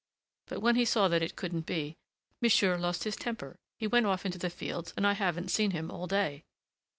but when he saw that it couldn't be, monsieur lost his temper: he went off into the fields, and I haven't seen him all day."